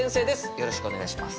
よろしくお願いします。